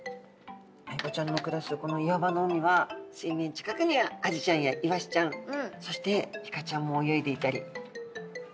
アイゴちゃんの暮らすこの岩場の海は水面近くにはアジちゃんやイワシちゃんそしてイカちゃんも泳いでいたり。